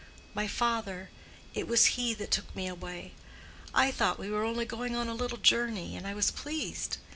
My father—it was he that took me away. I thought we were only going on a little journey; and I was pleased.